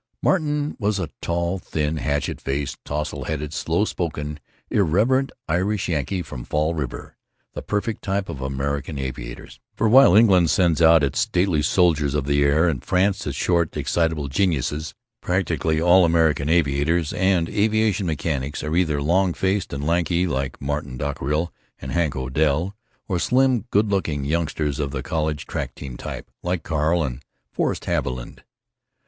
Martin was a tall, thin, hatchet faced, tousle headed, slow spoken, irreverent Irish Yankee from Fall River; the perfect type of American aviators; for while England sends out its stately soldiers of the air, and France its short, excitable geniuses, practically all American aviators and aviation mechanics are either long faced and lanky, like Martin Dockerill and Hank Odell, or slim, good looking youngsters of the college track team type, like Carl and Forrest Haviland.